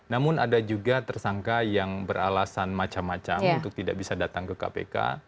namun ada juga tersangka yang beralasan macam macam untuk tidak bisa datang ke kpk